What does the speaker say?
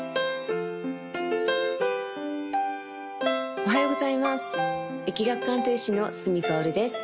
おはようございます易学鑑定士の角かおるです